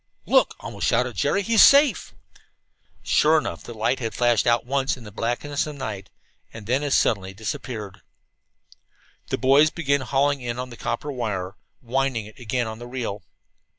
"Look!" almost shouted Jerry. "He's safe!" Sure enough, the light had flashed out once in the blackness of the night, and then as suddenly disappeared. The boys began hauling in on the copper wire, winding it again on the reel.